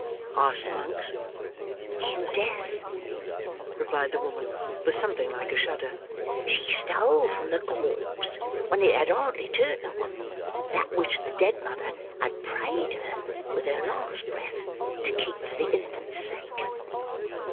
asked Monks. "In death," replied the woman, with something like a shudder. "She stole from the corpse, when it had hardly turned to one, that which the dead mother had prayed her, with her last breath, to keep for the infant's sake."